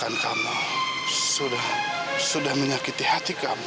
saya sudah mengecewakan kamu sudah menyakiti hati kamu amirah